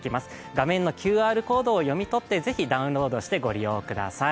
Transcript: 画面のＱＲコードを読み取って、是非ダウンロードしてご利用してください。